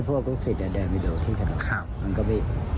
สวัสดีครับ